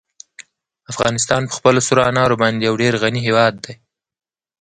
افغانستان په خپلو سرو انارو باندې یو ډېر غني هېواد دی.